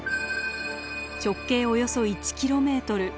直径およそ１キロメートル。